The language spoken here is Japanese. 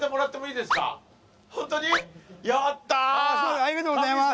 ありがとうございます。